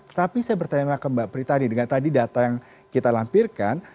tetapi saya bertanya ke mbak prita nih dengan tadi data yang kita lampirkan